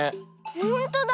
ほんとだ。